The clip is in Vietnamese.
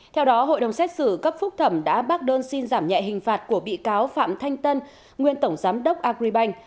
theo đó hội đồng xét xử cấp phúc thẩm đã bác đơn xin giảm nhẹ hình phạt của bị cáo phạm thanh tân nguyên tổng giám đốc agribank